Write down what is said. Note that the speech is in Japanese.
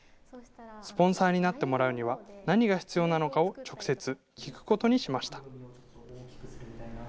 スポンサーになってもらうには何が必要なのかを直接聞くことにしました。